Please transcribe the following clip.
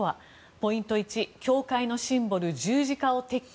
ポイント１教会のシンボル、十字架を撤去。